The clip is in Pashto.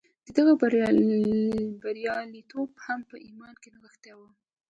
د هغه بریالیتوب هم په ایمان کې نغښتی و